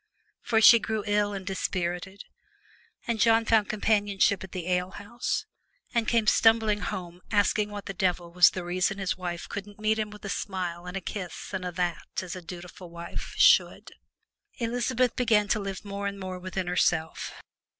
For she grew ill and dispirited, and John found companionship at the alehouse, and came stumbling home asking what the devil was the reason his wife couldn't meet him with a smile and a kiss and a' that, as a dutiful wife should! Elizabeth began to live more and more within herself.